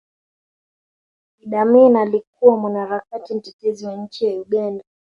idi amini alikuwa mwanaharakati mtetezi wa nchi ya uganda